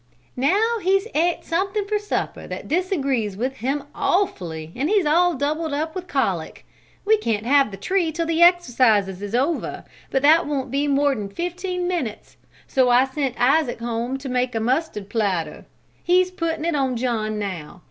Now he's et something for supper that disagrees with him awfully and he's all doubled up with colic. We can't have the tree till the exercises is over, but that won't be mor'n fifteen minutes, so I sent Isaac home to make a mustard plaster. He's puttin' it on John now.